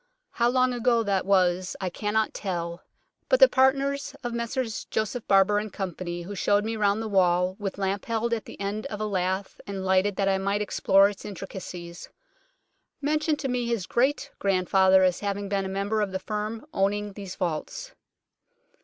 How long ago that was I cannot tell, but the partner of Messrs Joseph Barber & Co. who showed me round the wall, with lamp held at the end of a lath and lighted that I might explore its intricacies, mentioned to me his great grandfather as having been a member of the firm owning these vaults.